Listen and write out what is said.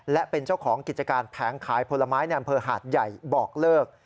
และเป็นเจ้าของกิจการแผงขายผลไม้ในอำเภอหาดใหญ่บอกเลิก